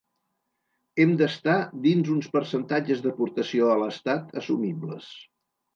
Hem d’estar dins uns percentatges d’aportació a l’estat assumibles.